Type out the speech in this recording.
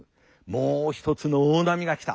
もう一つの大波が来た。